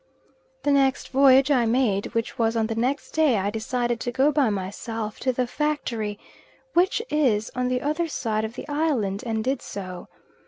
The next voyage I made, which was on the next day, I decided to go by myself to the factory, which is on the other side of the island, and did so.